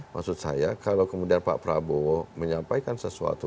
maksud saya kalau kemudian pak prabowo menyampaikan sesuatu